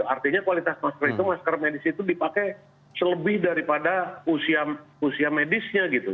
artinya kualitas masker itu masker medis itu dipakai selebih daripada usia medisnya gitu